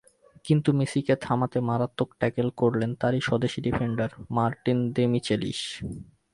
কিন্তু মেসিকে থামাতে মারাত্মক ট্যাকল করলেন তাঁরই স্বদেশি ডিফেন্ডার মার্টিন দেমিচেলিস।